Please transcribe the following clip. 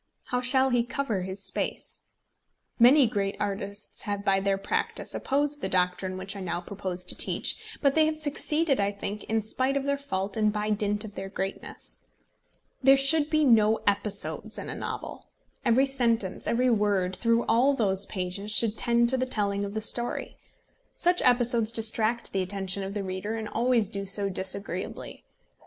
How shall he cover his space? Many great artists have by their practice opposed the doctrine which I now propose to preach; but they have succeeded I think in spite of their fault and by dint of their greatness. There should be no episodes in a novel. Every sentence, every word, through all those pages, should tend to the telling of the story. Such episodes distract the attention of the reader, and always do so disagreeably.